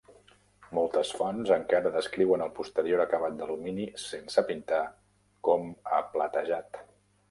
Moltes fonts encara descriuen el posterior acabat d'alumini sense pintar com a "platejat".